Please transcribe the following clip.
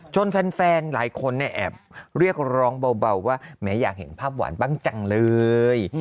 แฟนหลายคนเนี่ยแอบเรียกร้องเบาว่าแม้อยากเห็นภาพหวานบ้างจังเลย